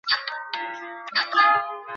নমরূদের নিকট সঞ্চিত খাদ্য ভাণ্ডার ছিল।